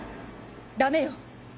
ダメよ